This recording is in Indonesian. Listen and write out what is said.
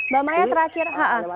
mbak maya terakhir